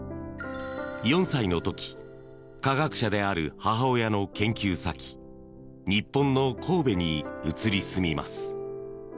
４歳の時科学者である母親の研究先日本の神戸に移り住みます。